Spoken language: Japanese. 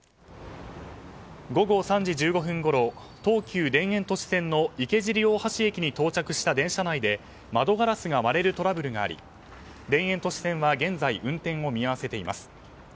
午後３時１５分ごろ東急田園都市線の池尻大橋駅に到着した電車内で窓ガラスが割れるトラブルがあり田園都市線は現在運転を見合わせています。